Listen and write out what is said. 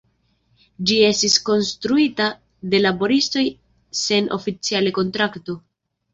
Ĝi estis konstruita de laboristoj sen oficiale kontrakto.